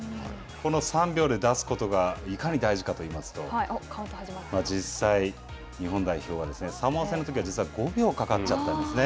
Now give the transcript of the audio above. この３秒で出すことがいかに大事かといいますと実際、日本代表はですね、サモア戦のときは５秒かかっちゃったんですね。